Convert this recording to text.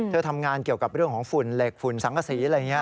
ทำงานเกี่ยวกับเรื่องของฝุ่นเหล็กฝุ่นสังกษีอะไรอย่างนี้